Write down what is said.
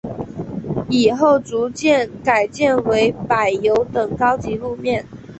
以后逐步改建为柏油等高级路面。